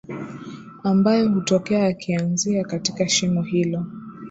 ambayo hutokea yakianzia katika shimo hilo